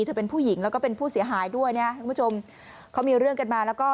เธอเป็นผู้หญิงแล้วก็เป็นผู้เสียหายด้วยนะคุณผู้ชมเขามีเรื่องกันมาแล้วก็